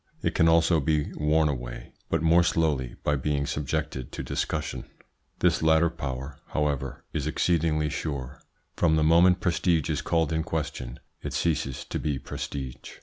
It can also be worn away, but more slowly by being subjected to discussion. This latter power, however, is exceedingly sure. From the moment prestige is called in question it ceases to be prestige.